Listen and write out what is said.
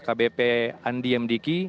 kepala kbp andi mdiki